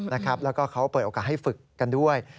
แล้วก็เขาเปิดโอกาสให้ฝึกกันด้วย